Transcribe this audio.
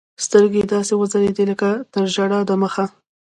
سترګې يې داسې وځلېدې لكه تر ژړا د مخه.